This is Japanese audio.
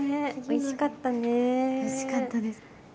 おいしかったです。